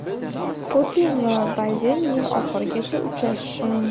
Putin va Bayden yil oxirigacha uchrashishi mumkin